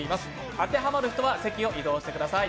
当てはまる人は席を移動してください。